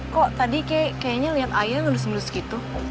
kok tadi kayaknya lihat ayah lulus lulus gitu